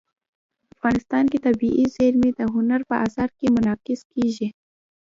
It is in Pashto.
افغانستان کې طبیعي زیرمې د هنر په اثار کې منعکس کېږي.